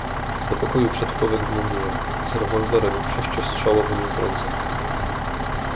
"Do pokoju wszedł człowiek w mundurze, z rewolwerem sześciostrzałowym w ręce."